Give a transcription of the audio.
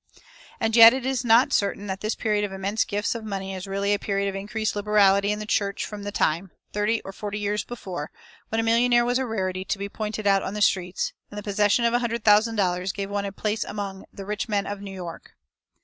And yet it is not certain that this period of immense gifts of money is really a period of increased liberality in the church from the time, thirty or forty years before, when a millionaire was a rarity to be pointed out on the streets, and the possession of a hundred thousand dollars gave one a place among "The Rich Men of New York."